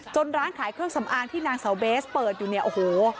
ร้านขายเครื่องสำอางที่นางสาวเบสเปิดอยู่เนี่ยโอ้โห